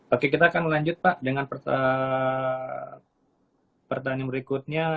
oke kita akan lanjut pak dengan pertandingan berikutnya